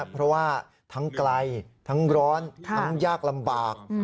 เพราะว่าทั้งไกลทั้งร้อนทั้งยากลำบาก